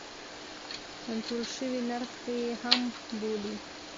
کنټرول شوی نرخ یې هم بولي.